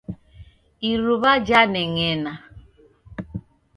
Iruw'a janeng'ena.